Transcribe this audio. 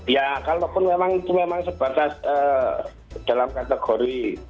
ya kalaupun memang itu sebatas dalam kategori yang berbuat memang menyalahkan